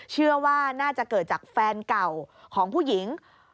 เชื่อว่าน่าจะเกิดจากแฟนเก่าของผู้หญิง